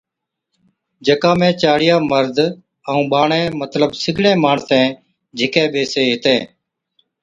جڪا ۾ چاڙِيا، مرد ائُون ٻاڙين مطلب سِگڙين ماڻسين جھِڪي ٻيسي ھِتين